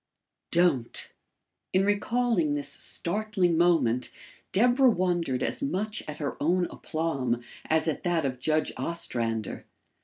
DON'T!" In recalling this startling moment, Deborah wondered as much at her own aplomb as at that of Judge Ostrander.